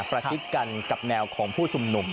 ประชิดกันกับแนวของผู้ชุมนุม